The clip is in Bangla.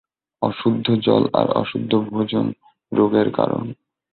অশুদ্ধ জল আর অশুদ্ধ ভোজন রোগের কারণ।